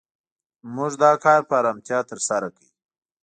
موږ دا کار په آرامتیا تر سره کړ.